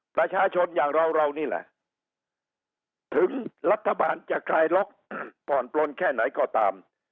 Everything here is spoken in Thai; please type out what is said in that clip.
ประชาชนอย่างเราเรานี่แหละถึงรัฐบาลจะคลายล็อกผ่อนปลนแค่ไหนก็ตาม